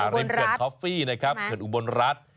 ริมเกือร์คอฟฟี่เขื่อนอุบรณรัฐ